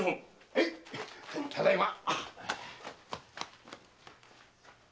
へいただいま！